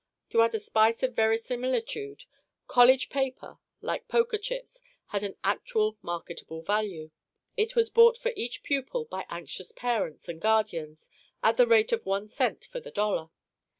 To add a spice of verisimilitude, "college paper" (like poker chips) had an actual marketable value. It was bought for each pupil by anxious parents and guardians at the rate of one cent for the dollar.